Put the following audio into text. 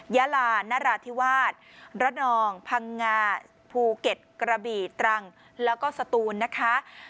ยาลานราธิวาสระนองพังงาภูเก็ตกระบี่ตรังแล้วก็สตูนนะคะ